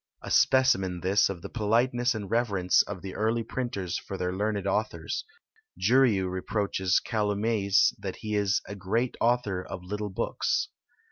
a specimen this of the politeness and reverence of the early printers for their learned authors; Jurieu reproaches Calomiès that he is a great author of little books!